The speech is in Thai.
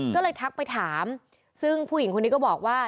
ก็เลยทักไปถามซึ่งผู้หญิงคนนี้ก็บอกว่า